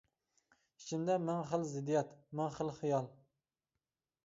ئىچىمدە مىڭ خىل زىددىيەت، مىڭ خىل خىيال.